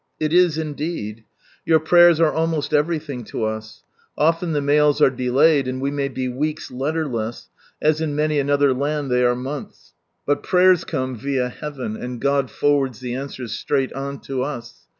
It is indeed. Your prayers are almost everything to us. Often the mails are delayed, and we may be weeks letterless, as in many another land they are months ; but prayers come vi<1 heaven, and God forwards the answers straight on to us.